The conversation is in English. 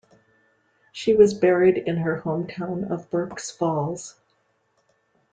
She was buried in her hometown of Burk's Falls.